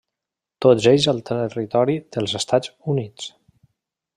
Tots ells al territori dels Estats Units.